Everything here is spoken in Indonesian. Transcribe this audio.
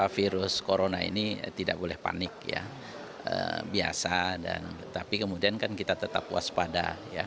virus corona ini tidak boleh panik biasa tapi kemudian kita tetap puas pada